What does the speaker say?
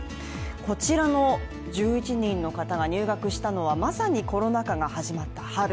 こちらの１１人の方が入学したのはまさにコロナ禍が始まった春。